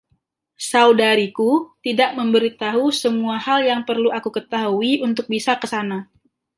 Saudariku tidak memberitahu semua hal yang perlu aku ketahui untuk bisa ke sana.